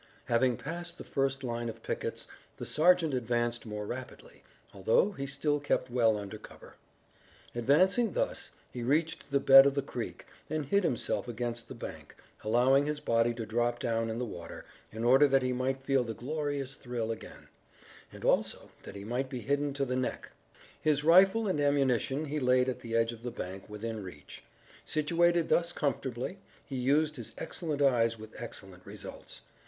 Having passed the first line of pickets the sergeant advanced more rapidly, although he still kept well under cover. Advancing thus he reached the bed of the creek and hid himself against the bank, allowing his body to drop down in the water, in order that he might feel the glorious cool thrill again, and also that he might be hidden to the neck. His rifle and ammunition he laid at the edge of the bank within reach. Situated thus comfortably, he used his excellent eyes with excellent results.